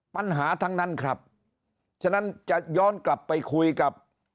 ปัญหาทั้งนั้นครับฉะนั้นจะย้อนกลับไปคุยกับ